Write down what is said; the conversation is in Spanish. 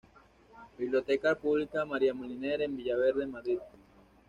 Biblioteca pública María Moliner en Villaverde, Madrid.